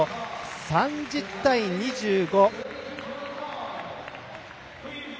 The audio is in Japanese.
３０対２５。